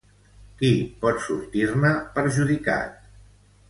Qui pot sortir-ne perjudicat?